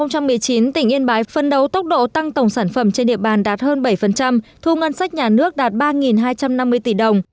năm hai nghìn một mươi chín tỉnh yên bái phân đấu tốc độ tăng tổng sản phẩm trên địa bàn đạt hơn bảy thu ngân sách nhà nước đạt ba hai trăm năm mươi tỷ đồng